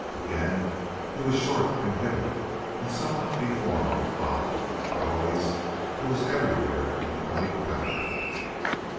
Again he was short and heavy and somewhat deformed of body. But always he was everywhere in the night about her.